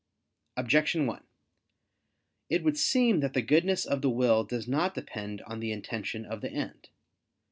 Objection 1: It would seem that the goodness of the will does not depend on the intention of the end.